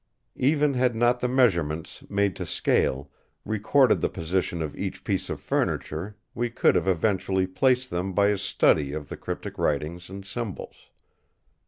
Even had not the measurements, made to scale, recorded the position of each piece of furniture, we could have eventually placed them by a study of the cryptic writings and symbols.